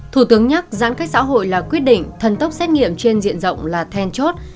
thủ tướng nhắc giãn cách xã hội là quyết định thần tốc xét nghiệm trên diện rộng là then chốt